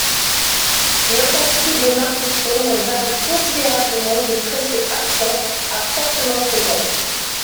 L'intensité des marques sombres varie considérablement de presque absent à fortement présent.